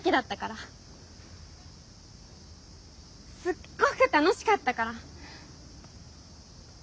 すっごく楽しかったから。